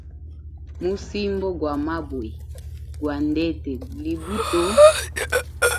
Musimbo gwa mabwe, gwa ndete guli buto.